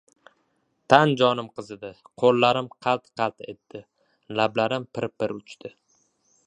Tan-jonim qizidi. Qo‘llarim qalt-qalt etdi. Lablarim pir-pir uchdi.